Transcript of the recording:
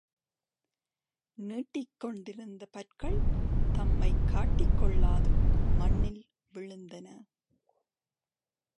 நீட்டிக் கொண்டிருந்த பற்கள் தம்மைக் காட்டிக்கொள்ளாது மண்ணில் விழுந்தன.